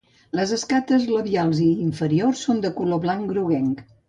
Les escates labials i inferiors són de color blanc groguenc.